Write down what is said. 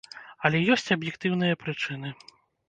Але ёсць аб'ектыўныя прычыны.